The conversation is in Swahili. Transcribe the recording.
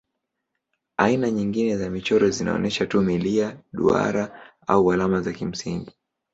Aina nyingine za michoro zinaonyesha tu milia, duara au alama za kimsingi.